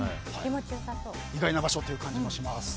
意外な場所という感じもします。